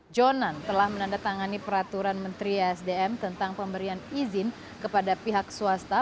jonan telah menandatangani peraturan menteri esdm tentang pemberian izin kepada pihak swasta